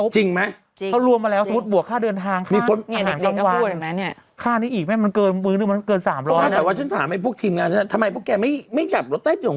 ทำไมเขาไม่กลับรถใต้จริง